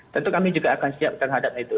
tentu kami juga akan siap terhadap itu